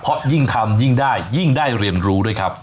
เพราะยิ่งทำยิ่งได้ยิ่งได้เรียนรู้ด้วยครับ